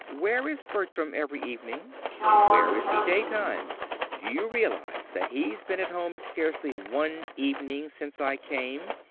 Where is Bertram every evening? Where is he daytimes? Do you realize that he's been at home scarcely one evening since I came?